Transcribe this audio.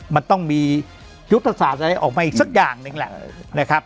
มันต้องมียุทธศาสตร์อะไรออกมาอีกสักอย่างหนึ่งแหละนะครับ